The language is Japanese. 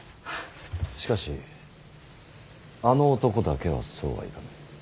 しかしあの男だけはそうはいかぬ。